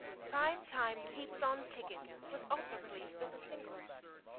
"Prime Time Keeps on Tickin'" was also released as a single.